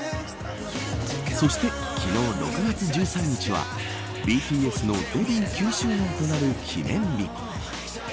そして、昨日６月１３日はＢＴＳのデビュー９周年となる記念日。